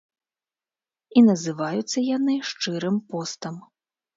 І называюцца яны шчырым постам.